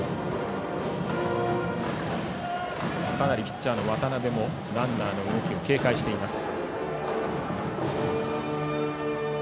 かなりピッチャーの渡部もランナーの動きを警戒しています。